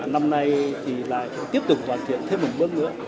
năm nay thì lại tiếp tục hoàn thiện thêm một bước nữa